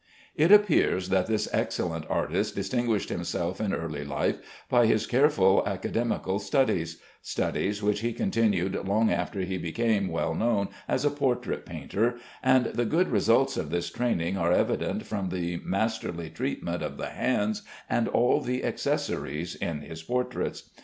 It appears that this excellent artist distinguished himself in early life by his careful academical studies studies which he continued long after he became well known as a portrait painter; and the good results of this training are evident from the masterly treatment of the hands and all the accessories in his portraits.